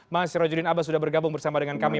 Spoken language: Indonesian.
mas si rojodin abbas sudah bergabung bersama dengan kami